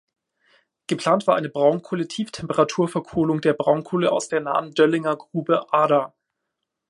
Geplant war eine Braunkohle-Tieftemperaturverkohlung der Braunkohle aus der nahen Döllinger Grube "Ada".